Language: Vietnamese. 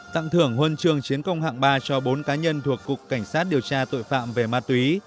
tặng thưởng huân trường chiến công hạng ba cho bốn cá nhân thuộc cục cảnh sát điều tra tội phạm về ma túy